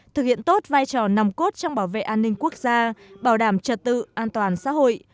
thực hiện tốt vai trò nằm cốt trong bảo vệ an ninh quốc gia bảo đảm trật tự an toàn xã hội